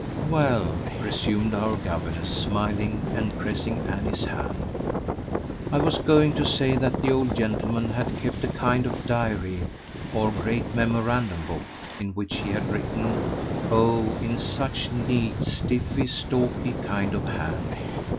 "Well," resumed our governess, smiling, and pressing Annie's hand, "I was going to say that the old gentleman had kept a kind of diary or great memorandum book, in which he had written oh, in such a neat, stiff, stalky kind of hand!